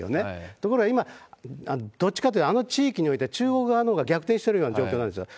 ところが今、どっちかというと、あの地域において中国側のほうが逆転してるような状況なんですよ。